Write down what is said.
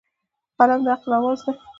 قلم د عقل اواز دی.